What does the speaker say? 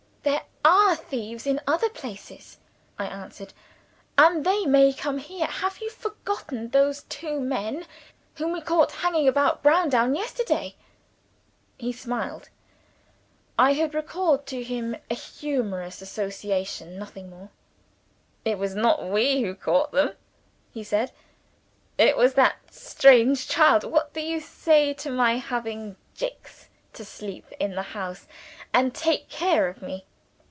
"There are thieves in other places," I answered. "And they may come here. Have you forgotten those two men whom we caught hanging about Browndown yesterday?" He smiled. I had recalled to him a humourous association nothing more. "It was not we who caught them," he said. "It was that strange child. What do you say to my having Jicks to sleep in the house and take care of me?"